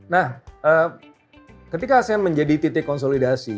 nah ketika saya menjadi titik konsolidasi